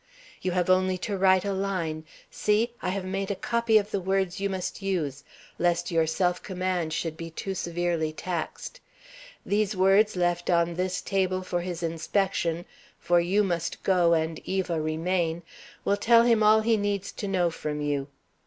You have only to write a line see! I have made a copy of the words you must use, lest your self command should be too severely taxed. These words left on this table for his inspection for you must go and Eva remain will tell him all he needs to know from you.